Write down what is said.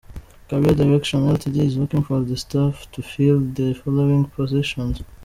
Career Directions Ltd is looking for the staff to fill the following positions :.